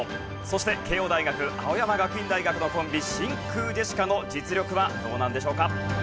そして慶應大学青山学院大学のコンビ真空ジェシカの実力はどうなんでしょうか？